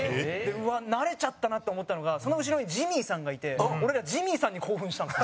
慣れちゃったなって思ったのがその後ろに、ジミーさんがいて俺ら、ジミーさんに興奮したんですよ。